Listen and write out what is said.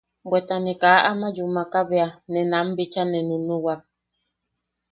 Bweta ne kaa ama yumaka bea, ne nam bicha ne nunuwak.